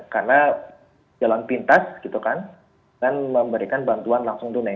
karena jalan pintas dan memberikan bantuan langsung tunai